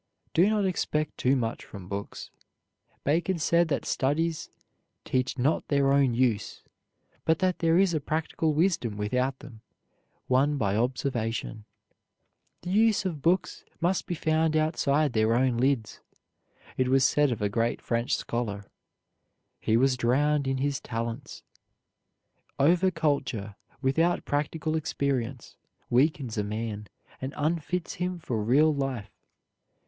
Do not expect too much from books. Bacon said that studies "teach not their own use, but that there is a practical wisdom without them, won by observation." The use of books must be found outside their own lids. It was said of a great French scholar: "He was drowned in his talents." Over culture, without practical experience, weakens a man, and unfits him for real life.